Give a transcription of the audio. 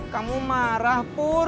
kamu marah pur